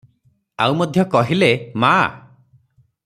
ଆଉ ମଧ୍ୟ କହିଲେ- "ମା!